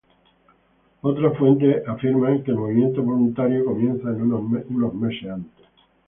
Otras fuentes afirman que el movimiento voluntario comienza unos meses antes.